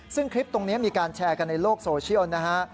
ซึ่งคลิปตรงนี้มีการแชร์กันในโลกโซเชียลนะฮะ